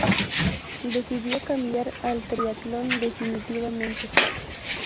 Decidió cambiar al triatlón definitivamente.